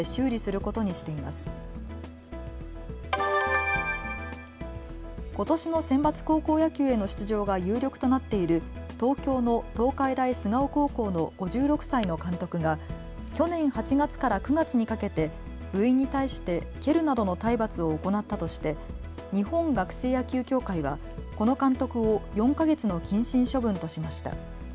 ことしのセンバツ高校野球への出場が有力となっている東京のセンバツ高校野球の５６歳の監督が去年８月から９月にかけて部員に対して蹴るなどの体罰を行ったとして日本学生野球協会はこの監督を４か月の謹慎処分としました。